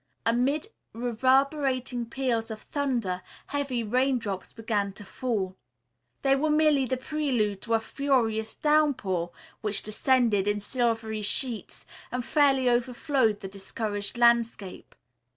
Amid reverberating peals of thunder, heavy raindrops began to fall. They were merely the prelude to a furious downpour which descended in silvery sheets, and fairly overflowed the discouraged landscape.